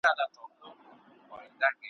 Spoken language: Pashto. د نورو او اکثریت شاعرانو نه ورته پام کوي ,